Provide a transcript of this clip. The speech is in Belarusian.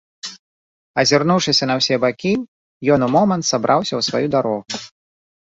Азірнуўшыся на ўсе бакі, ён у момант сабраўся ў сваю дарогу.